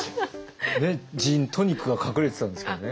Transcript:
「ジントニック」が隠れてたんですけどね。